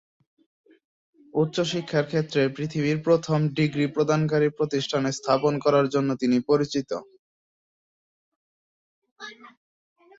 উচ্চশিক্ষার ক্ষেত্রে পৃথিবীর প্রথম ডিগ্রি প্রদানকারী প্রতিষ্ঠান স্থাপন করার জন্য তিনি পরিচিত।